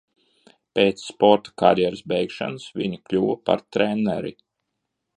Pēc sporta karjeras beigšanas viņa kļuva par treneri.